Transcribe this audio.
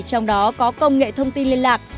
trong đó có công nghệ thông tin liên lạc